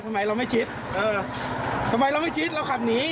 ทำไมเราไม่ชิดเออทำไมเราไม่ชิดเราขับหนี